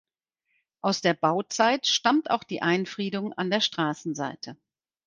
Aus der Bauzeit stammt auch die Einfriedung an der Straßenseite.